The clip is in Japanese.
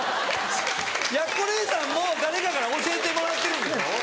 やっこ姉さんも誰かから教えてもらってるんでしょ？